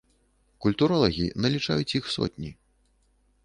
Культуролагі налічаюць іх сотні.